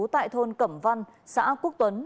tại thôn cẩm văn xã quốc tuấn